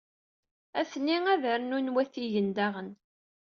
Ha-ten-i ad rnun watigen daɣen.